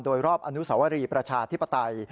โดยรอบอนุสวรีประชาธิปไตย